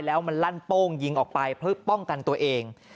แล้วมันลั่นโป้งยิงออกไปเพื่อป้องกันตัวเอง